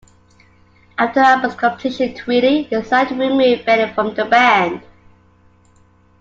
After the album's completion, Tweedy decided to remove Bennett from the band.